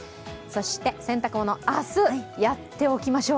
洗濯物、明日やっておきましょう。